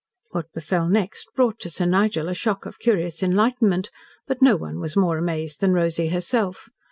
What befel next brought to Sir Nigel a shock of curious enlightenment, but no one was more amazed than Rosy herself.